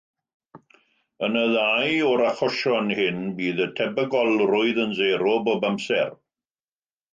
Yn y ddau o'r achosion hyn, bydd y tebygolrwydd yn sero bob amser.